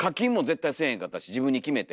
自分に決めて。